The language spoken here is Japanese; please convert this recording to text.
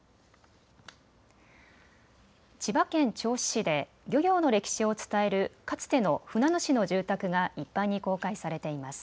千葉県銚子市で漁業の歴史を伝えるかつての船主の住宅が一般に公開されています。